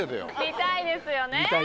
見たいですよね。